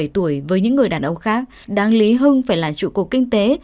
ba mươi bảy tuổi với những người đàn ông khác đáng lý hưng phải là trụ cột kinh tế